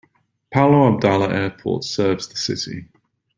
Paulo Abdala Airport serves the city.